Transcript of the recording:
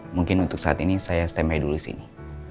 mungkin untuk saat ini saya stay mary dulu di sini